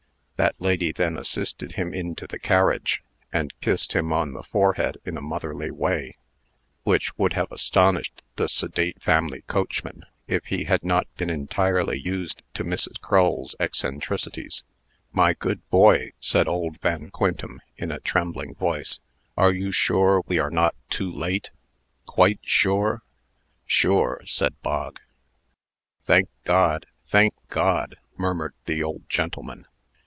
That lady then assisted him into the carriage, and kissed him on the forehead in a motherly way, which would have astonished the sedate family coachman, if he had not been entirely used to Mrs. Crull's eccentricities. "My good boy," said old Van Quintem, in a trembling voice, "are you sure we are not too late quite sure?" "Sure!" said Bog. "Thank God! thank God!" murmured the old gentleman.